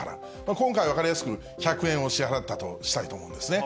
今回、分かりやすく、１００円を支払ったとしたいんですね。